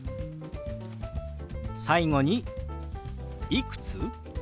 最後に「いくつ？」。